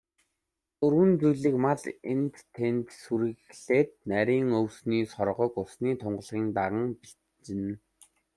Дөрвөн зүйлийн мал энд тэнд сүрэглээд, нарийн өвсний соргог, усны тунгалгийг даган бэлчинэ.